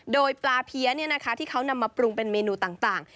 โดยปลาเพี้ยที่เขานำมาปรุงเป็นเมนูต่าง